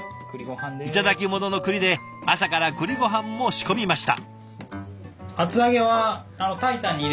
頂き物の栗で朝から栗ごはんも仕込みました。